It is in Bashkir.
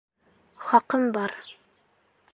— Хаҡым бар...